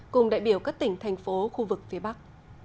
cùng đại biểu các tỉnh thành phố khu vực phía bắc